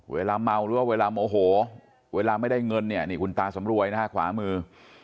เวลาเมาหรือว่าเวลาโมโหเวลาไม่ได้เงินเนี่ยนี่คุณตาสำรวยนะฮะขวามือ